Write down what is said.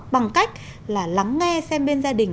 bằng cách là lắng nghe xem bên gia đình